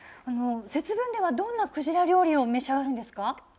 節分では、どんなクジラ料理を召し上がるんですか。